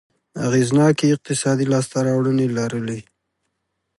اغېزناکې اقتصادي لاسته راوړنې لرلې.